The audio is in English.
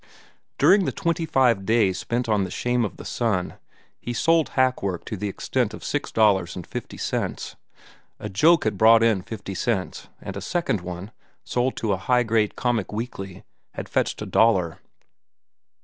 During the twenty five days spent on "The Shame of the Sun," he sold hack work to the extent of six dollars and fifty cents. A joke had brought in fifty cents, and a second one, sold to a high grade comic weekly, had fetched a dollar.